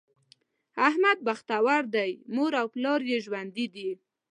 احمد بختور دی؛ مور او پلار یې ژوندي دي.